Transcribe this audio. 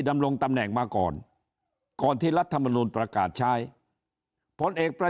ดำรงตำแหน่งมาก่อนก่อนที่รัฐมนุนประกาศใช้ผลเอกประ